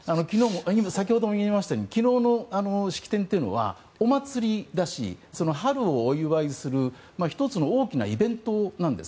先ほども言いましたように昨日の式典というのはお祭りだし、春をお祝いする１つの大きなイベントなんです。